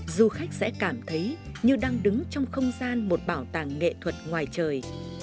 du khách sẽ cảm thấy như đang đứng trong không gian một bảo tàng nghệ thuật ngoài trời